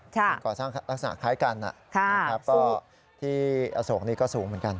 ใช่ค่ะกว่าลักษณะคล้ายกันอ่ะนะครับเพราะที่อสูกนี้ก็สูงเหมือนกัน